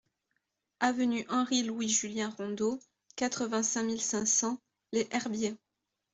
Avenue Henri Louis Julien Rondeau, quatre-vingt-cinq mille cinq cents Les Herbiers